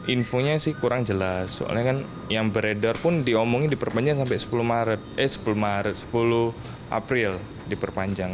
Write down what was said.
infonya sih kurang jelas soalnya kan yang beredar pun diomongin diperpanjang sampai sepuluh april diperpanjang